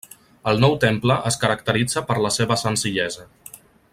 El nou temple es caracteritza per la seva senzillesa.